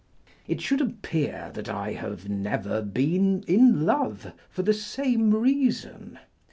It should appear that I have never been in love, for the same reason.